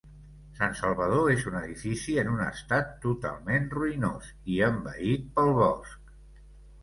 Sant Salvador és un edifici en un estat totalment ruïnós i envaït pel bosc.